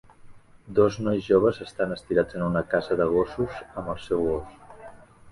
Dos nois joves estan estirats en una casa de gossos amb el seu gos.